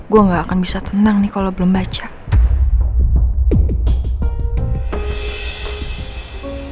gue gak akan bisa tenang nih kalau belum baca